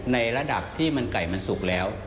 ในระดับที่มันไก่มันสุกแล้ว